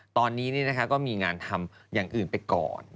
ตอนนี้ก็มีงานทำอย่างอื่นไปก่อน